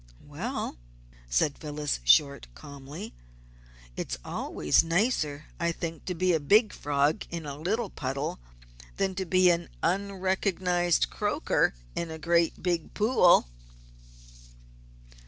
"Well," said Phyllis Short, calmly. "It's always nicer, I think, to be a big frog in a little puddle than to be an unrecognised croaker in a great, big pool."